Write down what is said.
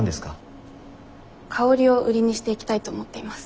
香りを売りにしていきたいと思っています。